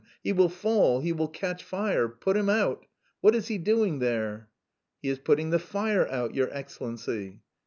He will fall, he will catch fire, put him out!... What is he doing there?" "He is putting the fire out, your Excellency."